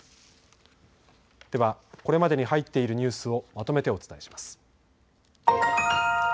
では、これまでに入っているニュースをまとめてお伝えします。